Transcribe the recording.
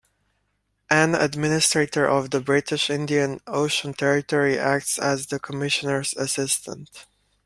An Administrator of the British Indian Ocean Territory acts as the Commissioner's assistant.